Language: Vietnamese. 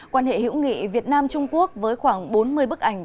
quan hệ hữu nghị việt nam trung quốc với khoảng bốn mươi bức ảnh